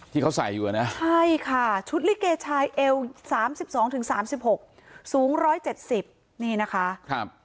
ที่เขาใส่อยู่นะใช่ค่ะชุดลิเกชายเอว๓๒๓๖สูง๑๗๐นี่นะคะ